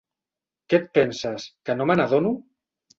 Què et penses, que no me n'adono?